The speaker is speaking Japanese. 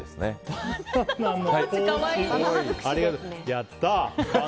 やったー！